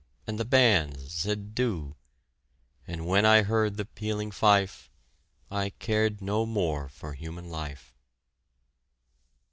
and the bands said "Do," And when I heard the pealing fife, I cared no more for human life!